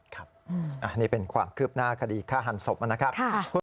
ครับอันนี้เป็นความคืบหน้าคดีฆ่าหันศพนะครับ